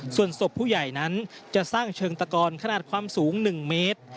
ส่วนศพผู้ใหญ่นั้นจะสร้างเชิงตะกอนขนาดความสูง๑เมตร